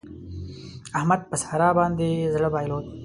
احمد په سارا باندې زړه بايلود.